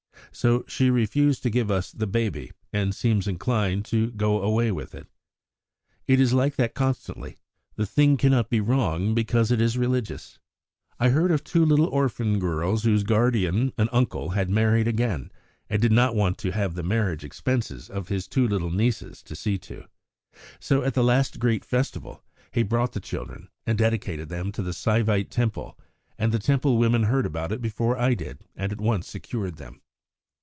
So she refused to give us the baby, and seems inclined to go away with it. It is like that constantly. The thing cannot be wrong because it is religious!" "I heard of two little orphan girls whose guardian, an uncle, had married again, and did not want to have the marriage expenses of his two little nieces to see to. So at the last great festival he brought the children and dedicated them to the Saivite Temple, and the Temple women heard about it before I did, and at once secured them.